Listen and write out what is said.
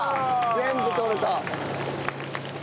全部取れた。